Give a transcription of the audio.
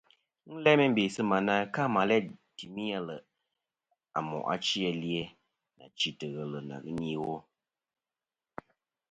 Ghɨ n-læ meyn bè sɨ̂ mà na ka mà læ̂ tìmi aleʼ à mòʼ achi a li-a, nà chîtɨ̀ ghelɨ na ghɨ ni iwo.